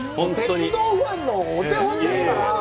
鉄道ファンのお手本ですから。